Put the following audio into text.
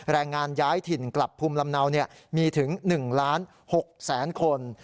แรงงานย้ายถิ่นกลับพุมลำเนาเนี่ยมีถึง๑๖๐๐๐๐๐คน